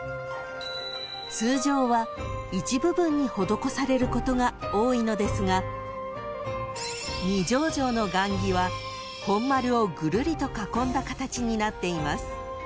［通常は一部分に施されることが多いのですが二条城の雁木は本丸をぐるりと囲んだ形になっています］